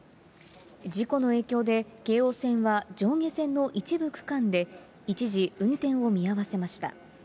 事故の影響で、京王線は上下線の一部区間で、一時運転を見合わせました。